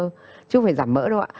chứ không phải giảm mỡ đâu ạ